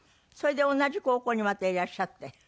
それで同じ高校にまたいらっしゃって？